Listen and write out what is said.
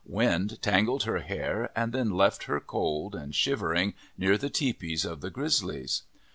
Wind tangled her hair and then left her cold and shivering near the tepees of the Grizzlies.